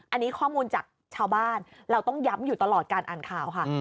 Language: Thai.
อันนี้ข้อมูลจากชาวบ้านเราต้องย้ำอยู่ตลอดการอ่านข่าวค่ะ